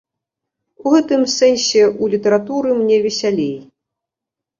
У гэтым сэнсе ў літаратуры мне весялей.